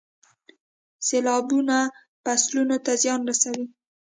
سیلابونه فصلونو ته زیان رسوي.